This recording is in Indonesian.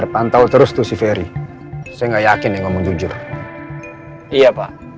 bayangkannya tentang nama dia